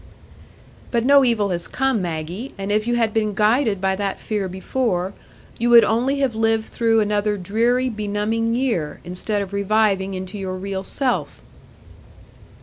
"But no evil has come, Maggie; and if you had been guided by that fear before, you would only have lived through another dreary, benumbing year, instead of reviving into your real self."